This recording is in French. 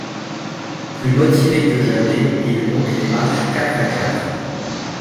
Plus motivé que jamais, il monte les marches quatre à quatre.